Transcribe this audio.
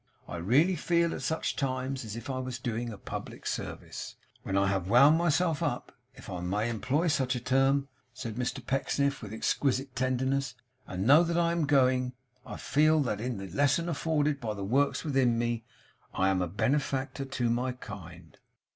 I really feel at such times as if I was doing a public service. When I have wound myself up, if I may employ such a term,' said Mr Pecksniff with exquisite tenderness, 'and know that I am Going, I feel that in the lesson afforded by the works within me, I am a Benefactor to my Kind!